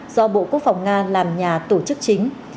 do bộ quốc phòng nga làm nhà tổ chức chính